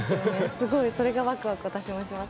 すごいそれがワクワク私もします。